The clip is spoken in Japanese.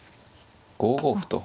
５五歩と。